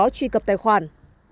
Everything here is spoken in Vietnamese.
và nào đó truy cập tài khoản